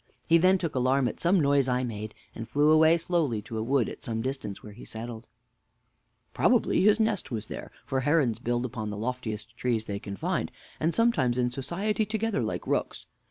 He then took alarm at some noise I made, and flew away slowly to a wood at some distance, where he settled. Mr. A. Probably his nest was there, for herons build upon the loftiest trees they can find, and sometimes in society together like rooks.